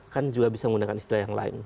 kan juga bisa menggunakan istilah yang lain